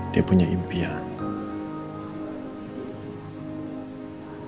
dia punya impian